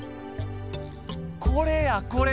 これやこれ。